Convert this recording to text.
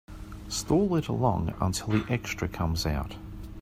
Stall it along until the extra comes out.